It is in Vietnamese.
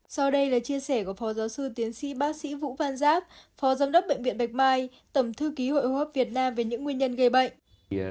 sau đây là chia sẻ của phó giáo sư tiến sĩ bác sĩ vũ văn giáp phó giám đốc bệnh viện bạch mai tổng thư ký hội ô hấp việt nam về những nguyên nhân gây bệnh